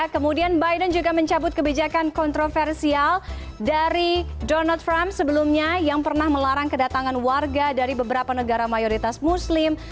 kemudian biden juga mencabut kebijakan kontroversial dari donald trump sebelumnya yang pernah melarang kedatangan warga dari beberapa negara mayoritas muslim